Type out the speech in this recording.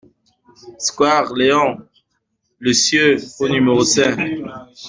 Square Léon Lecieux au numéro cinq